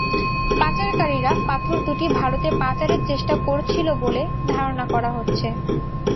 পাচারকারীরা পাথর দুটি ভারতে পাচারের চেষ্টা করছিল বলে ধারণা করা হচ্ছে।